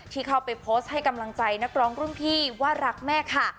ที่เข้าไปโพสต์ให้กำลังใจนักร้องรุ่นพี่ว่ารักแม่ค่ะ